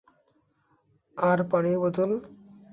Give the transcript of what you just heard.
আর পানির বোতল?